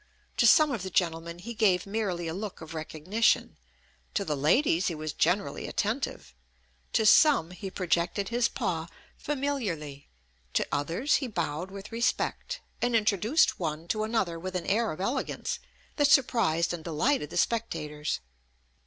To some of the gentlemen he gave merely a look of recognition; to the ladies he was generally attentive; to some he projected his paw familiarly, to others he bowed with respect; and introduced one to another with an air of elegance that surprised and delighted the spectators.